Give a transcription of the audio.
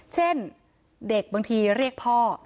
เช่นเด็กบางทีเรียกพ่อ